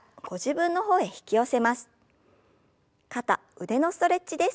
肩腕のストレッチです。